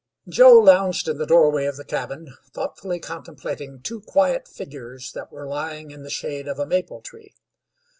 Joe lounged in the doorway of the cabin, thoughtfully contemplating two quiet figures that were lying in the shade of a maple tree.